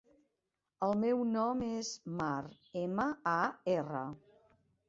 El meu nom és Mar: ema, a, erra.